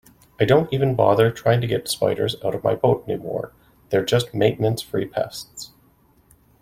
I don't even bother trying to get spiders out of my boat anymore, they're just maintenance-free pets.